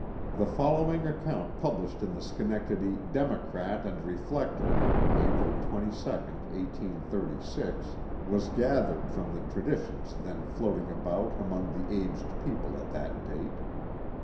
The following account published in the Schenectady Demo crat and Reflector, April 22, 1836, was gathered from tradi tions then floating about among the aged people at that date.